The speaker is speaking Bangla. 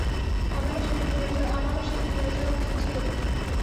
আমারও সেদিন মরে যাওয়া উচিত ছিল।